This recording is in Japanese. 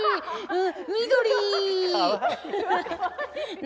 緑！